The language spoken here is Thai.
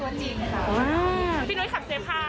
สวัสดีครับคุณผู้ชมครับ